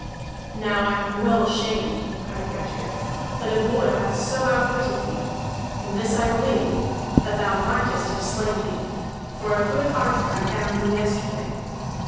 "Now I am well shamed," cried Grettir, "that a boy hath so outwitted me! And this I believe, that thou mightest have slain me; for a good archer I found thee yesterday.